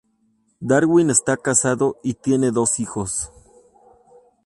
Darwin está casado y tiene dos hijos.